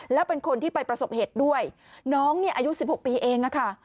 แล้วเป็นคนที่ไปประสบเหตุด้วยน้องเนี่ยอายุ๑๖ปีเองค่ะ